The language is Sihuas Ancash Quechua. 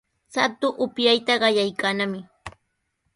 Shatu upyayta qallaykannami.